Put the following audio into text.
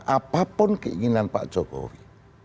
apapun keinginan pak jokowi